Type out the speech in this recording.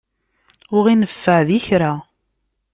Ur ɣ-ineffeɛ di kra.